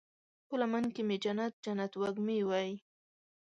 په لمن کې مې جنت، جنت وږمې وی